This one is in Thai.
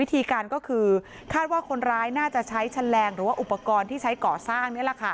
ค้าวาความคิดว่าคนร้ายจะใช้แชนแรงหรืออุปกรณ์ที่ใช้ก่อสร้าง